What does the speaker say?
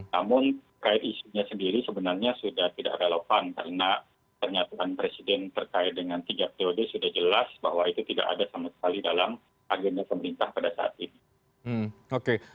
namun kait isunya sendiri sebenarnya sudah tidak relevan karena pernyataan presiden terkait dengan tiga periode sudah jelas bahwa itu tidak ada sama sekali dalam agenda pemerintah pada saat ini